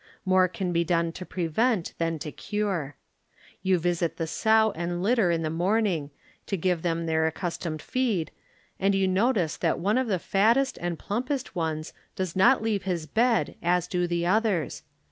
More can be done to prevent than to cure. Yon visit the sow arid lit ter in the morning to give them their accustomed feed, and you notice thst one of the fattest and plumpest ones doiK not leave his bed as do the others.